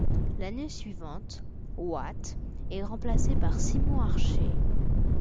L'année suivante, Watts est remplacé par Simon Archer.